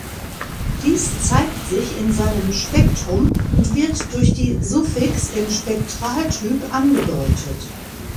Dies zeigt sich in seinem Spektrum und wird durch die Suffix im Spektraltyp angedeutet.